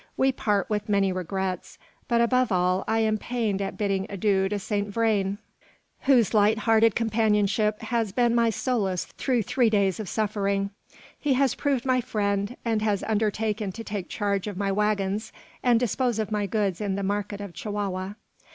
We part with many regrets; but, above all, I am pained at bidding adieu to Saint Vrain, whose light hearted companionship has been my solace through three days of suffering. He has proved my friend; and has undertaken to take charge of my waggons, and dispose of my goods in the market of Chihuahua.